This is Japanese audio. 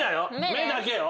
目だけよ。